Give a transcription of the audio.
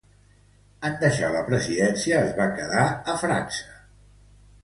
En deixar la presidència, es va quedar a França.